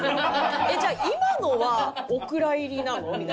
えっじゃあ今のはお蔵入りなの？みたいな。